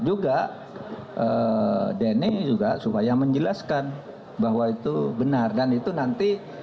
juga denny juga supaya menjelaskan bahwa itu benar dan itu nanti